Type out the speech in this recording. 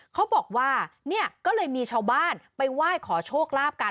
เขาบอกว่าเนี่ยก็เลยมีชาวบ้านไปไหว้ขอโชคลาภกัน